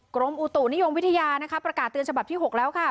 กรมอุตุนิยมวิทยานะคะประกาศเตือนฉบับที่๖แล้วค่ะ